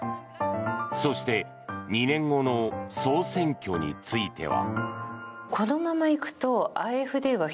そして２年後の総選挙については。